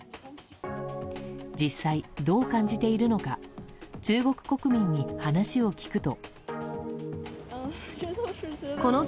実際、どう感じているのか中国国民に話を聞くと。